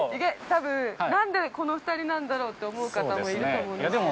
◆たぶん、なんでこの２人なんだろうと思う方もいると思うんですよ。